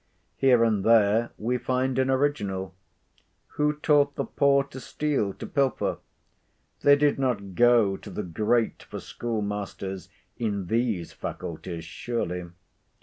Here and there we find an original. Who taught the poor to steal, to pilfer? They did not go to the great for schoolmasters in these faculties surely.